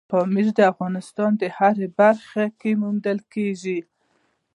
پامیر د افغانستان په هره برخه کې موندل کېږي.